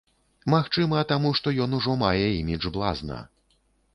Магчыма, таму, што ён ужо мае імідж блазна.